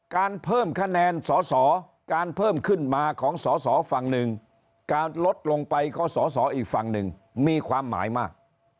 การเพิ่มคะแนนสอสอการเพิ่มขึ้นมาของสอสอฝั่งหนึ่งการลดลงไปก็สอสออีกฝั่งหนึ่งมีความหมายมาก